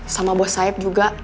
sama bos saeb juga